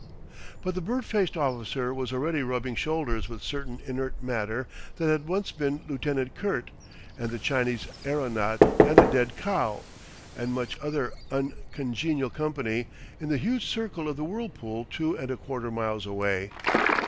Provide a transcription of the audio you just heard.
But the bird faced officer was already rubbing shoulders with certain inert matter that had once been Lieutenant Kurt and the Chinese aeronaut and a dead cow, and much other uncongenial company, in the huge circle of the Whirlpool two and a quarter miles away.